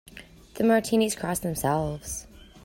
The Martinis cross themselves.